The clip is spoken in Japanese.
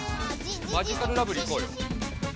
「マヂカルラブリー」いこうよ。